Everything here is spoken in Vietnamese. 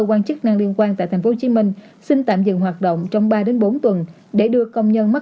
cơ quan chức năng liên quan tại tp hcm xin tạm dừng hoạt động trong ba bốn tuần để đưa công nhân mất